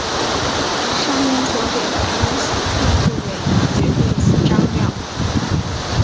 上面所给的关系并不唯一决定此张量。